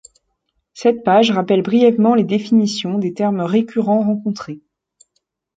Cette page rappelle brièvement les définitions des termes récurrents rencontrés.